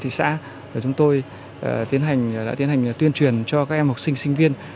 thị xã chúng tôi đã tiến hành tuyên truyền cho các em học sinh sinh viên